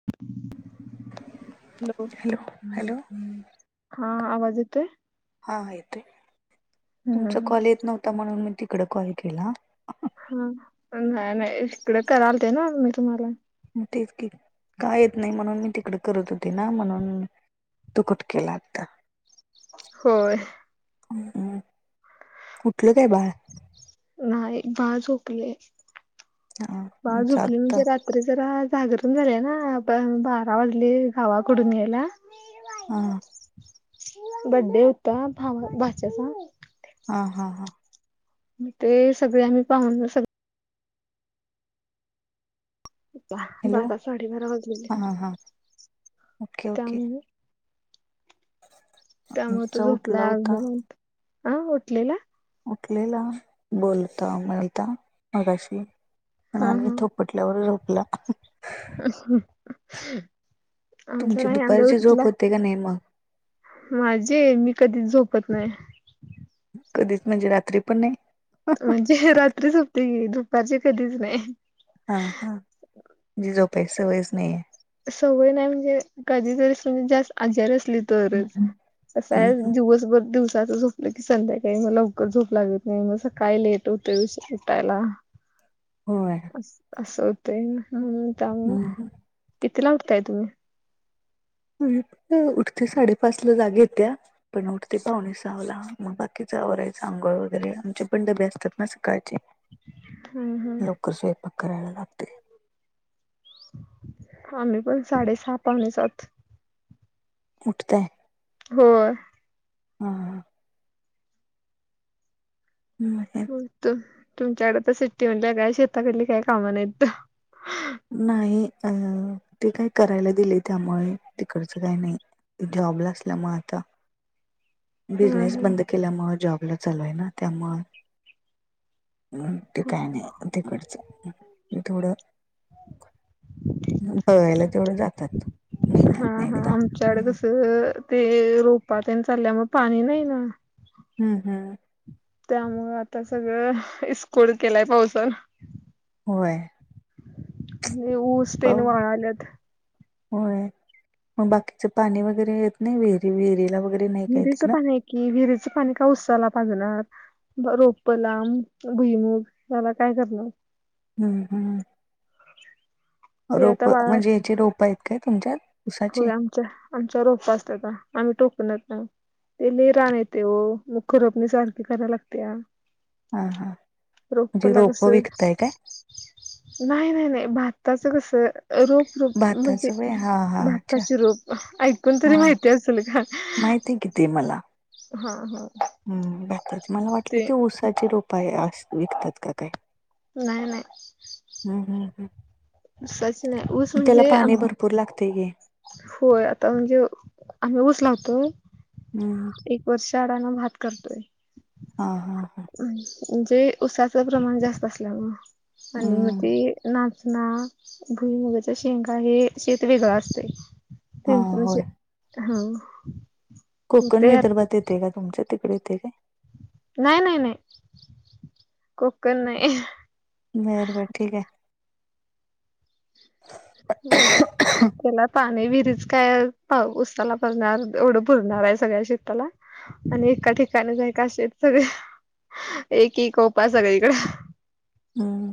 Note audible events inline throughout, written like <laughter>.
<inaudible> <unintelligible> Hello हा आवाज येतोय? हा हा येतोय तुमचा हम्म कॉल येत नव्हता म्हणून मी तिकड कॉल केला. हा नाही नाही इकड करालते ना मी तुम्हाला. तेच कि का येत नाही म्हणून मी तिकड करत होते ना म्हणून तु कुटके लागत <unintelligible> होय. हम उठलं काय बाळ? नाही बाळ झोपले बाळ आमच झोपले आत्ता म्हणजे रात ते जरा जागरण झाले ना ब बारा वाजले गावाकडून यायला. हम. बड्डे होता भाव भाच्याच. आ हा हा हां. ते सगळे आम्ही पाहून सग बा हॅलो बारा साढ बारा वाजली हा हा हा ओके ओके त्यामुळे <unintelligible> त्यामुळे तो आमचा उठला झोपला होता अजून अ उटलेला. उठलेला बोलता मिळता मगाशी पण हा आणि हा थोप पटल्यावर झोपला हम आमच तुमची नाही आमच दुपारची झोप उठलं. होते का नाही मग माझे मी कधीच झोपत नाय. कधीच म्हणजे रात्री पण नाही? हा म्हणजे रात्री झोपते की दुपारचे कधीच नाही. हा हा जे झोपायची सवय च नाही आहे. सवय नाही म्हणजे, कधीतरी म्हजे जास्त आजारी असली. तरच नाहीये कसय हम्म. दिवसभर दिवसाच झो न की संध्याकाळी मग लवकर झोप लागत नाही मग सकाळी लेट होतय उटायला. होय. असं अस ते होत्यामुळ, हम्म. कितीला उठताय तुम्ही. उठते साडेपाच ला जाग‌ येत्या पण उठते पावणे सहाला. मग बाकीच अवरायच आंघोळ वगैरे, आमचे पण डबे असतात ना सकाळचे. हम्म हम्म लवकर स्वयपाक करायला लागते. <unintelligible> साडे सहा पाहुणेचात. उठतय. होयं. हा हा. हम्म. त तुमच्याकडे तर सिट्टी म्हणल्या काय शेताकडली काय कामं नाहीत. नाही अ.. ते काय करायला दिले, त्यामुळे तिकडचं काय नाही. जॉबला असल्यामुळं आता. हम्म बिझनेस हम्म बंद केल्यामुळ‌, जॉबला चालाय ना त्यामुळं. हम्म, ते काय नाही तिकडचं थोडं. बघायला तेवढं जातात, महिन्यात हा नाही हा एकदा हम्म. <unintelligible> ते रोपा त्यां चालल्या मग पाणी नाही ना. हम्म हम्म. त्यामुळं आता सगळं, इस्कूट केलाय पावसानं. होय. आणि ऊस तेन पाऊ वाळाल्यात. होय, मग बाकीच पाणी वगैरे येत नाही. विहिरी विहिरीला वगैरे, नाही काय विहिरीचं तिकडं पाणी आहे की, विहिरीचं पाणी काय ऊसाला पाजणार. रोप लांब भुईमुग याला काय करणार. हम्म हम्म हे आता रोप वाळा म्हणजे याची रोप आहेत काय तुमच्यात. उसाची होय, आमच्या आमच्या रोप असत्यात आम्ही टोकनत नाही. ते लई रान येतय ओ मग खरपनी सारखी कराय लागत्या. हा हा म्हणजे रोपला रोप कसं. विकताय काय नाही नाही नाही, भाताचं कसं रोप रूप म्हणजे, भाताचं वय हा हा अच्छा भाताची रूप ऐकून हा तरी माहिती असेल काय? माहिती ते कितीे मला. हा हा. हम, भाताची मला वाटलं ते ऊसाची रोप असं, विकत्यात की काय. नाही नाही. हम्म हम् ह, ऊसाची नाही ऊस त्याला म्हणजे आम पाणी भरपूर लागतय घे. होय, आता म्हणजे आम्ही ऊस लावतोय. हम्म. एक वर्ष अडाण भात करतोय. हा हा हा. म्हणजे उसाच प्रमाण जास्त असल्यामुळं, आणि मग हम्म ते नाच ना भुईमुगाचा शेंगा हे शेत वेगळ असते. हा तेच होय म्ह हम्म. कोकण विदर्भात येते काय, तुमच तिकडे येते काय. नाही नाही नाही, कोकण नाही. बरबर ठीक आहे. <unintelligible> त्याला पाणी विरीच काय पा उसाला भरणार एवढं पुरणार आहे सगळ्या शेताला. आणि एका ठिकाणी <unintelligible> असेत सगळे एक एक ओपा सगळीकड. हम्म.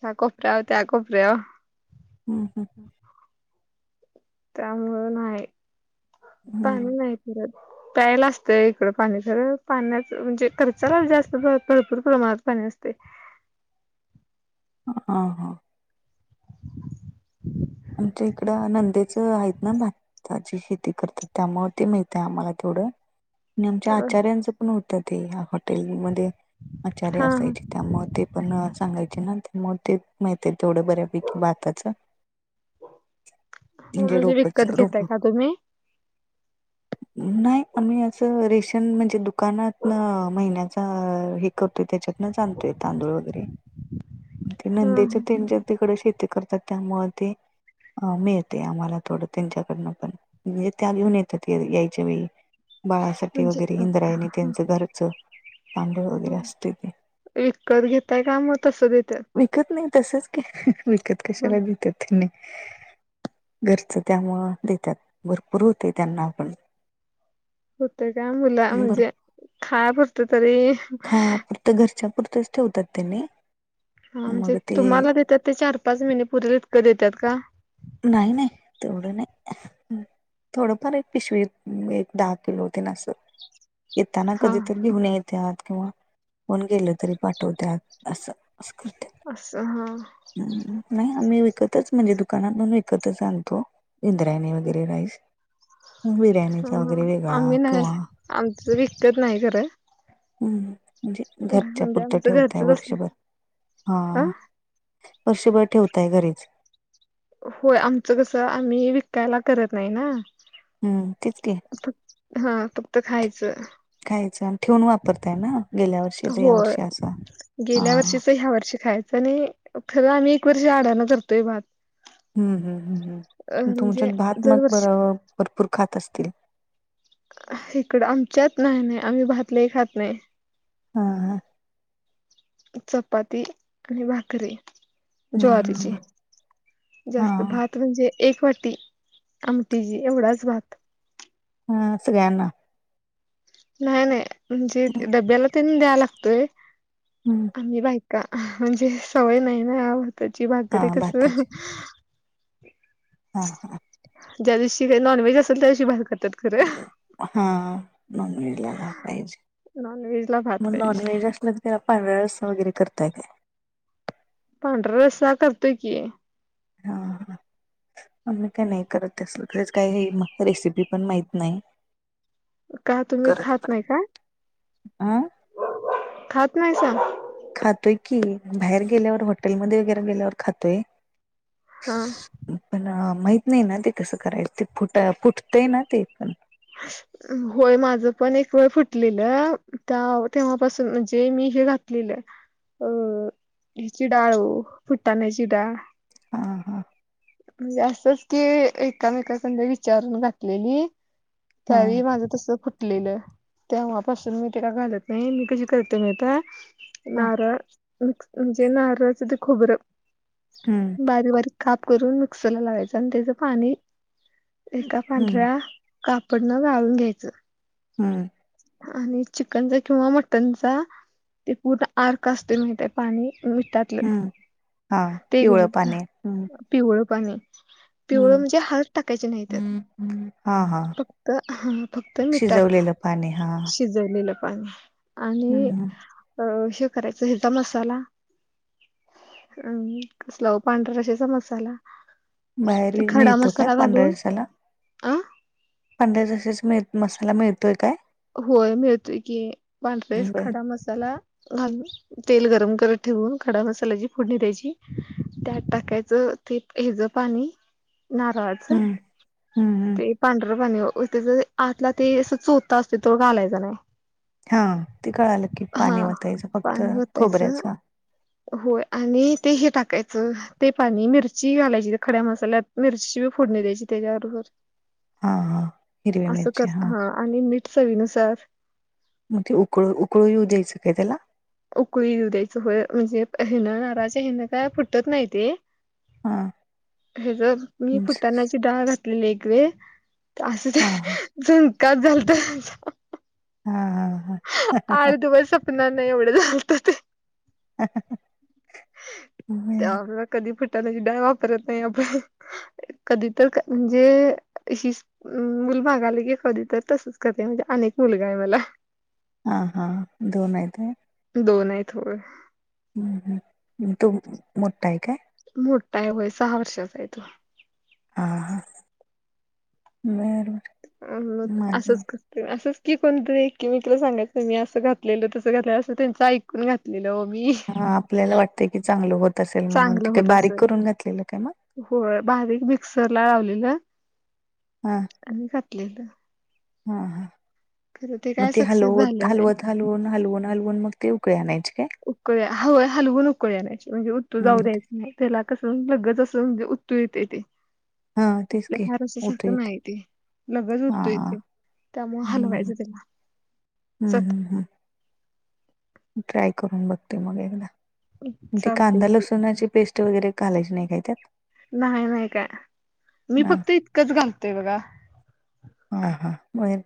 ह्या कोपऱ्यावर, त्या कोपऱ्यावर. हम्म हम्म. त्यामुळं नाही हम्म पाणी नाही पुरत. प्यायल असत इकडं पाणी खर पाण्याच म्हणजे खर्चाला जास्त भरपूर प्रमाणात पाणी असतय. हा हा. आमच्या इकडं नंदेचं आहेत ना भात. त्या ची शेती करतात त्यामूळ ते माहित हाय आम्हाला तेवढं. आणि आमच्या हा आचार्यांचं पण होतं ते हॉटेलमध्ये आचार्य हा असायचे. त्यामुळे ते पण सांगायचे ना त्यामूळ ते माहिती आहे तेवढं बऱ्यापैकी भाताचं. म्हणजे रोपच विकत रोप. घेताय का तुम्ही नाही आम्ही अस रेष नाही म्हणजे दुकानातनं महिन्याचा हे करतोय त्याच्यात तिथंनच आणतोय तांदूळ वगैरे हा नंदेच्या तेनच्यात तिकड शेती करतात त्यामुळे ते. अ मिळतय आम्हाला थोडं त्यांच्याकडनं पण म्हणजे त्या घेऊन येतात यायच्या वेळी. बाळासाठी म्हणजे वगैरे इंद्रायनी त्यांचं घरचं. तांदूळ हा. वगैरे असते ते विकत घेताय का मग तसं देत्यात? विकत नाही तसच की विकत ह कशाला देत्यात त्यांनी. घरच त्यामुळं देतात भरपूर होतय त्यांना आपण. होते का मला भर म्हणजे खाया पुरतं तरी. खायापुरतं, घरच्या पुुरतंच ठेवतात त्यांनी. हा. म्हणजे मग ते तुम्हाला देतात ते चार पाच महिने पुरेल इतकं देतात का? नाही नाही तेवढं नाही. <inaudible> थोडं फार एक पिशवी एक दहा किलो होते नासं येताना हा कधी तर घेऊन येत त्यात किंवा कोण गेलं तरी पाठवत्यात असं अस करत्यात. असं हा. नाही आम्ही विकतच म्हणजे दु दुकानातून विकतच आणतो इंद्रायणी वगैरे राईस. बिर्याणीचा हा वगैरे वेगळा आम्ही नाही किंवा. आमचं विकत नाही खरं हम्म म्हणजे घरच्या म्हणजे पुरतं आमचं ठेवताय घरचंच वर्षभर असलं हा. वर्षभर ठेवताय घरीच. होय आमचं कसं आम्ही विकायला करत नाही ना. हम्म तेच की. फ हा फक्त खायचं. खायचं आणि ठेवून वापरताय ना गेल्या वर्षीच या होय वर्षी असं. गेल्या वर्षीच ह्या वर्षी खायचं आणि खरं आम्ही एक वर्षी अडाण करतोय भात. हम्म हम्म हम्म अ हम्म. म्हणजे तुमच्यात भात मग बर दरवर्षी भरपूर खात असतील. हिकडं आमच्यात नाही नाही आम्ही भातलई खात नाही. हा हा. चपाती आणि भाकरी. हम्म हम्म ज्वारीची हम्म. जास्त हा भात म्हणजे. एक वाटी आमटीजी एवढाच भात. हम्म सगळ्यांना. नाही नाही म्हणजे हम्म, डब्याला तेन द्याल लागतोय. हम्म. ही बायका म्हणजे सवय नाही ना आव त्याची हा भागरीे कसं भाताची <inaudible> हा हा. ज्या दिवशी हे नॉनव्हेज असेल त्या दिवशी बाहेर खातात खरं. हा नॉनव्हेज ला पाहिजे नॉनव्हेज ला भात मग पाहिजे नॉनव्हेज असल त्याला पांढरा रस्सा वगैरे करताय काय? पांढरा रस्सा करतोय की. हा हा <unintelligible> आम्ही काय नाही करत ते सगळंच काही हे मला रेसिपी पण माहित नाही. काय तुम्ही खात नाही काय? आ? खात नाहीसां? खातोय की बाहेर गेल्यावर हॉटेलमध्ये वगैरे गेल्यावर खातोय. हा. पण माहित नाही ना ते कसं करायच. ते फुट-फुटतंय ना ते पण. <unintelligible> होय माझं पण एक वेळ फुटलेलं त्या तेव्हापासून म्हणजे मी हे घातलेलं अ हेची डाळ ओ फुटाण्याची डाळ. हा हा. म्हणजे असंच ते एकामेका संग विचारून घातलेली. हा त्यावेळी माझं तस फुटलेलं तेव्हापासून मी ते काय घालत नाही. मी कशी करते माहित हाय? हा नारळ म-म्हणजे नारळाच ते खोबरं हम्म बारीक बारीक काप करून मिक्सरला लावायचं आणि त्याचं पाणी एका हम्म पांढऱ्या कापडनं गाळून घ्यायचं. हम्म. आणि चिकनचा किंवा मटनचा ते पूर्ण आर्क असते माहित आहे पाणी मिटात हम्म हा ते पिवळं घ्यायचं. पाणी हम्म पिवळं पाणी पिवळं हम्म म्हणजे हळद टाकायचे नाही त्यात. हा हा. फक्त हा फक्त मिठात शिजवलेलं पाणी हा शिज जेवलेलं पाणी आणि हम्म अ हे करायचं हेजा मसाला आणि कसला हो पांढरा रशेचा मसाला बाहेर मिळतो काय पंढरा रस्साला? आं पांढर जशीच मिळ मसाला मिळतोय काय? होय मिळतोय की पांढरेस बर खडा मसाला घालून. तेल गरम करत ठेवून खडा मसालाची फोडणी द्यायची त्यात टाकायचं ते हेजं पाणी नारळा हम्म <unintelligible> हम्म हम्म ते पांढर पाणी ओ तेच आतला ते अस चो तो असतोय तेव्हा घालायचं नाही. हा ते कळालं की पाणी हा वतायचं फक्त पाणी ओतायचं खोबऱ्याचं. होय आणि ते हे टाकायचं ते पाणी मिरची घालायची खड्या मसाल्यात. मिरची बी फोडणी द्यायची त्याच्याबरोबर. हा हा हिरवी असं मिरची करत हा आणि मीट चवीनुसार मग ते उकळ-उकळी येऊ द्यायचं काय त्याला? उकळी देऊ द्यायचं होय म्हणजे हेनं ना राज हेणं काय फुटत नाही ते. हा हेज मी फुटाण्याची डाळ घातलेली एक वेळ. असं ते हा हा झुणकाच झालता. हा हा हा. आळधुवर सपना नाही एवढं झालतं ते. हा त्या उलट कधी फुटाणायाची डाळ वापरत नाही आपण कधी तर काय म्हणजे हिच म मुल मागालं की कधी तर तसंच करते म्हणजे अनेक मुलगा आहे मला. हा हा. दोन आहेत होय? दोन आहेत होय. हम्म हम्म. तो मोठा आहे काय? मोठा आहे वय सहा वर्षाचा आहे तो. आ हा बर, बर अम माझ असंच असंच की कोणतरी एकी मित्र सांगात मी असं घातलेलं तसं घातले असं त्यांचं ऐकून घातलेलं हो मी. हा आपल्याला वाटतंय की चांगलं होत असेल म्हणून त चांगलं काही होत बारीक असेल करून घातलेलं काय मग? होय बारीक मिक्सर ला लावलेला. हा आम्ही खातलेलं हा, हा मग काय ते सक्सेस हलवत, झालं नाही हलवत हलवून, हलवून मग ते उकळे आणायची काय? उकळ्या होय हलवून उकळ नाही म्हणजे उत्तू जाऊ हम्म द्याचं त्याला कसं वेगळच असं म्हणजे उत्तू येते ते हा तेच आपलं की हार उतू असतं येते माहिती लगच हा होतोय ती. त्यामुळे हम्म हालवायचं त्याला. हम्म सत हम्म हम्म. ट्राय करून बघते मग एकदा ते चालतंय कांदा की लसूणाची पेस्ट ते वगैरे कालेज निघत्यात. नाही, नाही काय मी हा फक्त इतकंच घालतेय बघा हा हा बाहेर